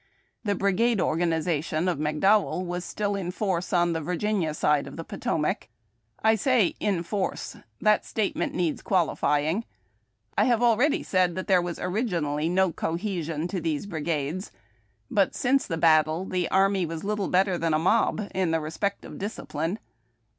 The brigade organization of McDowell was still in force on the Virginia side of the Potomac. I say in force. That statement needs qualifying. I have already said that there was originally no cohesion to these brigades; but since the battle the army was little better than a mob in the respect of disci[)line.